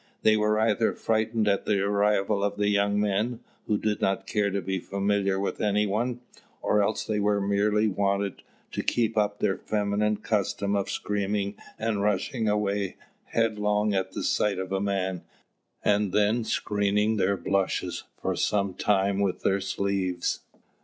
They were either frightened at the arrival of the young men, who did not care to be familiar with anyone; or else they merely wanted to keep up their feminine custom of screaming and rushing away headlong at the sight of a man, and then screening their blushes for some time with their sleeves.